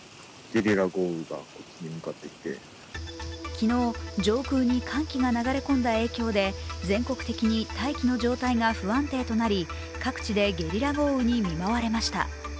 昨日、上空に寒気が流れ込んだ影響で全国的に大気の状態が不安定となり各地でゲリラ豪雨に見舞われました。